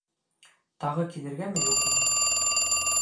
Тағы килергәме, юҡмы?